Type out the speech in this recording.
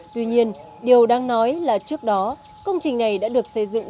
tuy nhiên điều đáng nói là trước đó công trình này đã được xây dựng